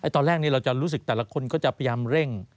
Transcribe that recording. ตอนแรกนี้เราจะรู้สึกแต่ละคนก็จะพยายามเร่ง